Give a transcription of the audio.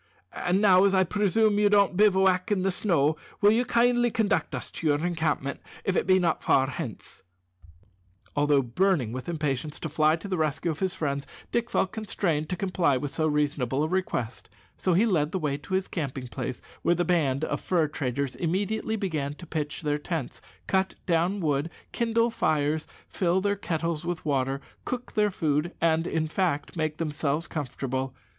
And now, as I presume you don't bivouac in the snow, will you kindly conduct us to your encampment, if it be not far hence?" Although burning with impatience to fly to the rescue of his friends, Dick felt constrained to comply with so reasonable a request, so he led the way to his camping place, where the band of fur traders immediately began to pitch their tents, cut down wood, kindle fires, fill their kettles with water, cook their food, and, in fact, make themselves comfortable.